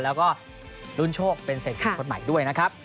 แล้วก็รุ่นโชคเป็นเศรษฐีคนใหม่ด้วยนะครับ